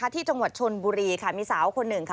ที่จังหวัดชนบุรีมีสาวคนหนึ่ง